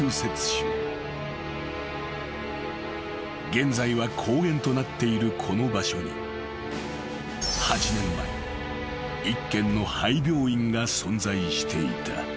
［現在は公園となっているこの場所に８年前一軒の廃病院が存在していた］